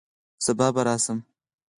سبا به راشم